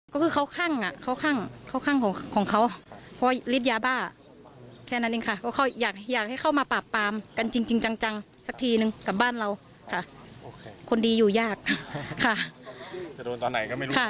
ก็คือเขาข้างของเขาว่าฤทยาบ้าแค่นั้นเองค่ะก็อยากให้เข้ามาปาบปามกันจริงจังสักทีหนึ่งกลับบ้านเราค่ะคนดีอยู่ยากค่ะ